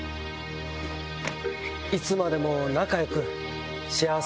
いつまでも仲良く。